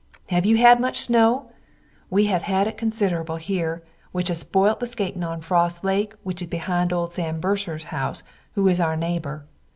Have you had much snow? We have had it considerable hear which has spoylt the skating on Frost Lake which is beehind old Sam Bursars house who is our naybor.